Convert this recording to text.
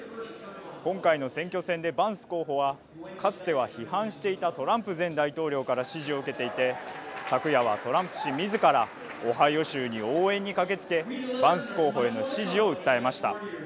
今回の選挙戦でバンス候補はかつては批判していたトランプ前大統領から支持を受けていて昨夜はトランプ氏みずからオハイオ州に応援に駆けつけバンス候補への支持を訴えました。